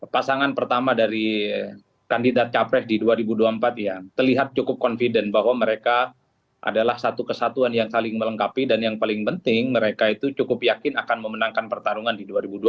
pasangan pertama dari kandidat capres di dua ribu dua puluh empat yang terlihat cukup confident bahwa mereka adalah satu kesatuan yang saling melengkapi dan yang paling penting mereka itu cukup yakin akan memenangkan pertarungan di dua ribu dua puluh empat